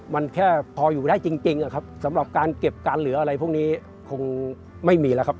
มันแค่พออยู่ได้จริงนะครับสำหรับการเก็บการเหลืออะไรพวกนี้คงไม่มีแล้วครับ